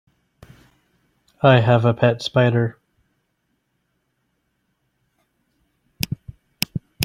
I have a pet spider.